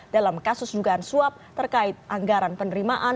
dalam kasus dugaan suap terkait anggaran penerimaan